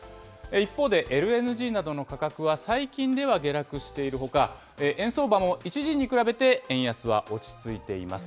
一方で、ＬＮＧなどの価格は最近では下落しているほか、円相場も一時に比べて円安は落ち着いています。